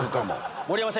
盛山さん